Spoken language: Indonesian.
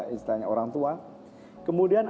istilahnya orang tua kemudian